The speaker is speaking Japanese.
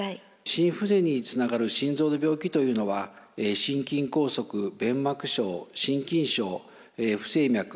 心不全につながる心臓の病気というのは心筋梗塞弁膜症心筋症不整脈